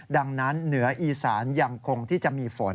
ดังนั้นเหนืออีสานยังคงที่จะมีฝน